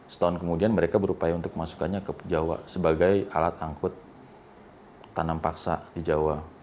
setahun kemudian mereka berupaya untuk memasukkannya ke jawa sebagai alat angkut tanam paksa di jawa